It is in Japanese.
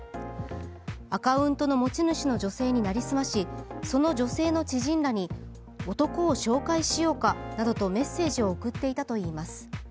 アカウントの持ち主の女性に成り済まし、その女性の知人らに、男を紹介しようかなどとメッセージを送っていたといいます。